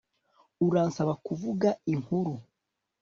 Uransaba kuvuga inkuru